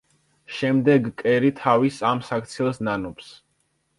შემდეგ კერი თავის ამ საქციელს ნანობს.